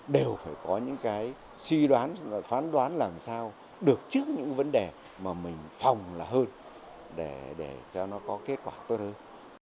đều phải có những cái suy đoán phán đoán làm sao được trước những vấn đề mà mình phòng là hơn để cho nó có kết quả tốt hơn